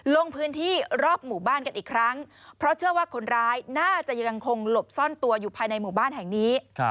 ลงพื้นที่รอบหมู่บ้านกันอีกครั้งเพราะเชื่อว่าคนร้ายน่าจะยังคงหลบซ่อนตัวอยู่ภายในหมู่บ้านแห่งนี้